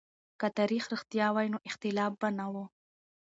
که تاريخ رښتيا وای نو اختلاف به نه و.